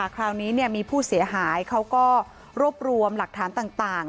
คราวนี้มีผู้เสียหายเขาก็รวบรวมหลักฐานต่าง